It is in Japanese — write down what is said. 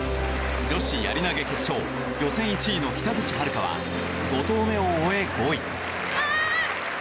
女子やり投げ決勝予選１位の北口榛花は５投目を終え、５位。